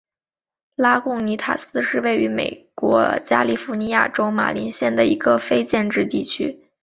拉贡尼塔斯是位于美国加利福尼亚州马林县的一个非建制地区。